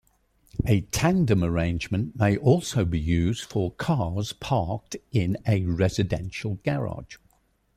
A tandem arrangement may also be used for cars parked in a residential garage.